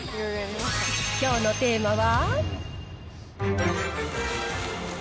きょうのテーマは。